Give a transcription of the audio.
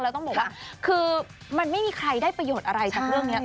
แล้วต้องบอกว่าคือมันไม่มีใครได้ประโยชน์อะไรจากเรื่องนี้